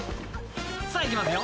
［さあいきますよ］